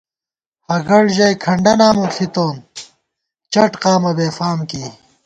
ہگڑ ژَئی کھنڈہ نام ݪِتون ، چٹ قامہ بےفام کېئی